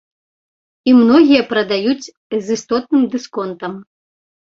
І многія прадаюць з істотным дысконтам.